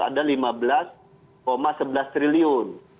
ada lima belas sebelas triliun